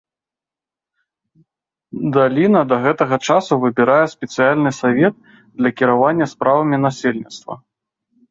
Даліна да гэтага часу выбірае спецыяльны савет для кіравання справамі насельніцтва.